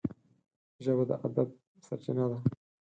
ژبه د ادب سرچینه ده